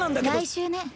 来週ね。